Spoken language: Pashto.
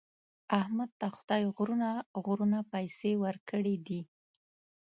احمد ته خدای غرونه غرونه پیسې ورکړي دي.